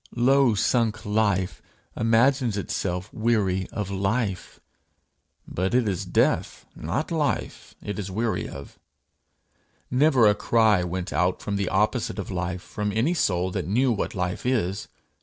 Low sunk life imagines itself weary of life, but it is death, not life, it is weary of. Never a cry went out after the opposite of life from any soul that knew what life is.